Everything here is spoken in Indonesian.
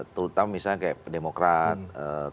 terutama misalnya kayak demokrasi